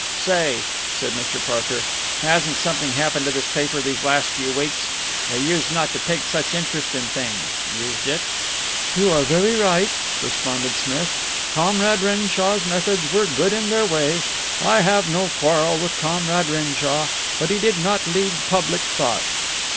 "Say," said Mr. Parker, "hasn't something happened to this paper these last few weeks? It used not to take such an interest in things, used it?" "You are very right," responded Smith. "Comrade Renshaw's methods were good in their way. I have no quarrel with Comrade Renshaw. But he did not lead public thought.